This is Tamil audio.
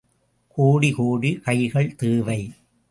கோடி, கோடி, கைகள் தேவை.